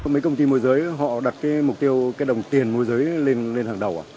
mấy công ty môi giới họ đặt mục tiêu đồng tiền môi giới lên hàng đầu